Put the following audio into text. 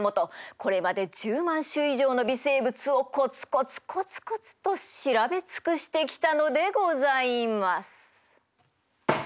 これまで１０万種以上の微生物をコツコツコツコツと調べ尽くしてきたのでございます。